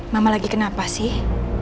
mama lagi kenapa sih